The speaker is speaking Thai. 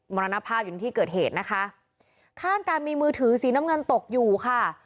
มรณภาพอยู่ในที่เกิดเหตุนะคะข้างกันมีมือถือสีน้ำเงินตกอยู่ค่ะ